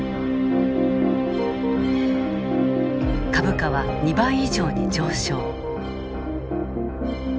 株価は２倍以上に上昇。